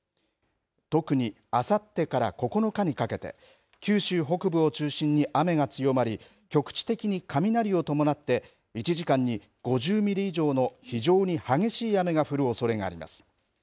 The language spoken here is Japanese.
特に、あさってから９日にかけて九州北部を中心に雨が強まり局地的に雷を伴って１時間に５０ミリ以上の非常に激しい雨が降るおそれがあります。